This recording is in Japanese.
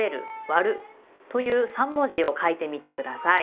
「『割』る」という三文字を書いてみて下さい。